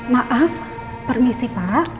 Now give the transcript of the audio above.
maaf permisi pak